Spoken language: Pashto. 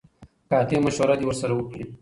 قاطع مشوره دي ورسره وکړي.